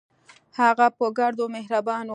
هغه پر ګردو مهربان و.